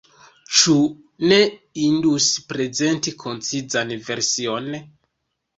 Ĉu ne indus prezenti koncizan version?